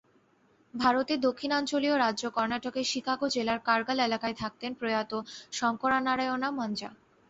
ভারতের দক্ষিণাঞ্চলীয় রাজ্য কর্ণাটকের শিকোগা জেলার কারগাল এলাকায় থাকতেন প্রয়াত শংকরানারায়ণা মাঞ্জা।